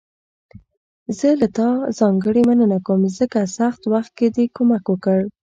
زه له تا ځانګړي مننه کوم، ځکه سخت وخت کې دې کومک وکړ.